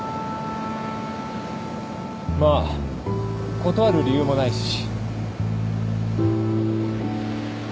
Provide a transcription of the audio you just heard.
まあ断る理由もないし。